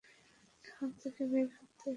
এখান থেকে বের হতে হবে।